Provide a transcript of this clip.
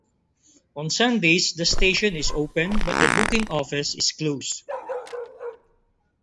On Sundays the station is open but the booking office is closed.